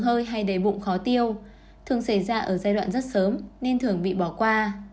hơi hay đầy bụng khó tiêu thường xảy ra ở giai đoạn rất sớm nên thường bị bỏ qua